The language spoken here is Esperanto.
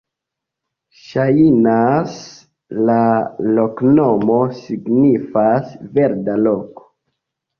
Ŝajnas, la loknomo signifas: "verda loko".